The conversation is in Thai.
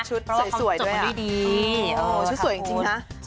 ชุดสวยด้วยอ่ะชุดสวยจริงนะ